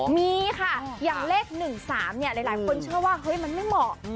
มีค่ะอย่างเลข๑๓เนี่ยหลายคนเชื่อว่าเฮ้ยมันไม่เหมาะ